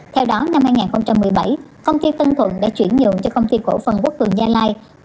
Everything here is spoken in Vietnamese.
theo đó năm hai nghìn một mươi bảy công ty tân thuận đã chuyển nhượng cho công ty cổ phần quốc cường gia lai